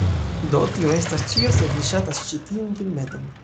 Do, tio estas ĉio se vi ŝatas ĉi tiun filmeton